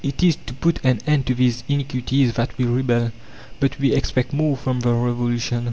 It is to put an end to these iniquities that we rebel. But we expect more from the Revolution.